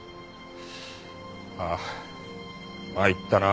ああ参ったな。